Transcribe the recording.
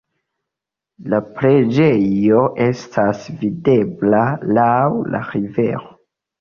La preĝejo estas videbla laŭ la rivero.